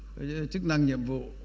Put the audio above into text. cái chức năng nhiệm vụ